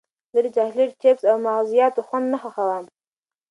زه د چاکلېټ، چېپس او مغزیاتو خوند خوښوم.